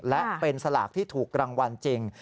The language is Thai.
และเป็นสลากที่ถูกรางวัลจริง